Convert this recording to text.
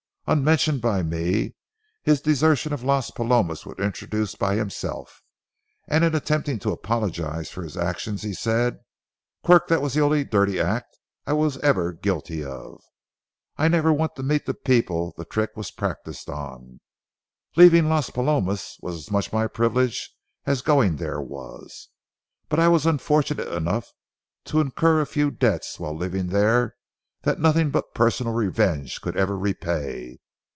Unmentioned by me, his desertion of Las Palomas was introduced by himself, and in attempting to apologize for his actions, he said:— "Quirk, that was the only dirty act I was ever guilty of. I never want to meet the people the trick was practiced on. Leaving Las Palomas was as much my privilege as going there was. But I was unfortunate enough to incur a few debts while living there that nothing but personal revenge could ever repay.